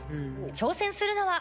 挑戦するのは。